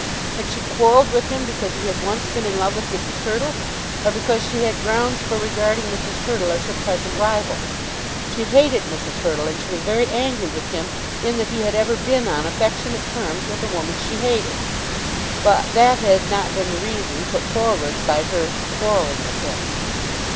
Had she quarrelled with him because he had once been in love with Mrs. Hurtle, or because she had grounds for regarding Mrs. Hurtle as her present rival? She hated Mrs. Hurtle, and she was very angry with him in that he had ever been on affectionate terms with a woman she hated; but that had not been the reason put forward by her for quarrelling with him.